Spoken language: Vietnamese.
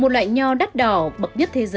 một loại nho đắt đỏ bậc nhất thế giới